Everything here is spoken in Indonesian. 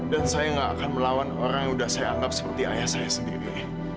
dan saya gak akan melawan orang yang sudah saya anggap seperti ayah saya sendiri